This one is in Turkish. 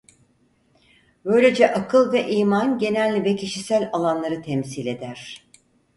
Böylece akıl ve iman genel ve kişisel alanları temsil eder.